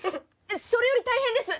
それより大変です！